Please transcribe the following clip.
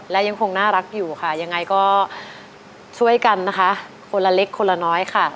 และยังคงน่ารักอยู่ค่ะยังไงก็ช่วยกันนะคะคนละเล็กคนละน้อยค่ะ